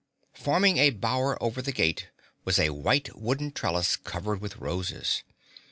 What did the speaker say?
Forming a bower over the gate was a white wooden trellis covered with roses.